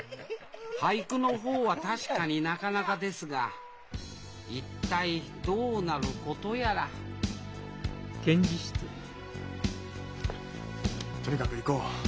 俳句の方は確かになかなかですが一体どうなることやらとにかく行こう。